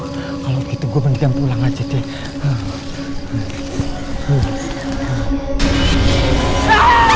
kalau gitu gue bantuin pulang aja deh